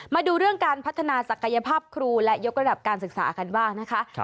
มาดูเรื่องการพัฒนาศักยภาพครูและยกระดับการศึกษากันบ้างนะคะ